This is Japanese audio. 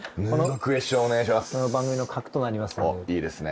この番組の核となりますので。